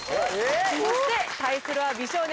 そして対するは美少年金指一世。